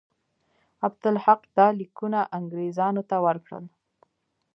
عبدالحق دا لیکونه انګرېزانو ته ورکړل.